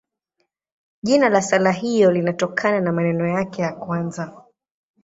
Jina la sala hiyo linatokana na maneno yake ya kwanza.